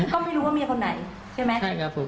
ก็ไม่รู้ว่าเมียคนไหนใช่ไหม